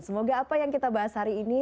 semoga apa yang kita bahas hari ini